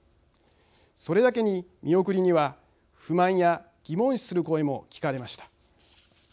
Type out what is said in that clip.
それだけに見送りには不満や疑問視する声も聞かれました。